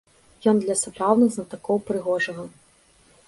Ён для сапраўдных знатакоў прыгожага.